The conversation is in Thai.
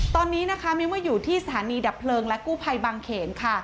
ตอนนี้นะคะมิ้วว่าอยู่ที่สถานีดับเพลิงและกู้ภัยบางเขนค่ะ